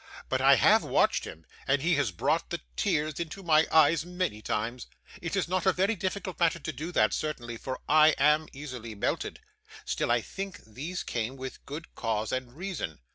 'But I have watched him, and he has brought the tears into my eyes many times. It is not a very difficult matter to do that, certainly, for I am easily melted; still I think these came with good cause and reason.